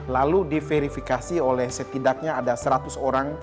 lalu diperiksa oleh setidaknya seratus orang